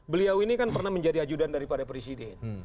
beliau ini kan pernah menjadi ajudan daripada presiden